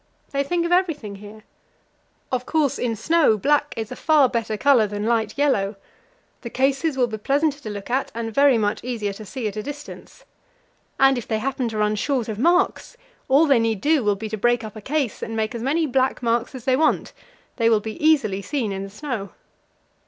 They think of everything here. Of course, in snow black is a far better colour than light yellow; the cases will be pleasanter to look at, and very much easier to see at a distance. And if they happen to run short of marks, all they need do will be to break up a case and make as many black marks as they want; they will be easily seen in the snow.